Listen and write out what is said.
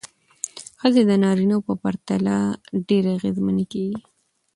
ښځې د نارینه وو پرتله ډېرې اغېزمنې کېږي.